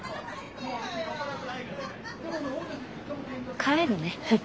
帰るね。